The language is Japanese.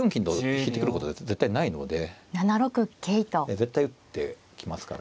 絶対打ってきますから。